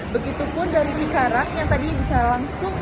begitupun dari cikarang yang tadi bisa langsung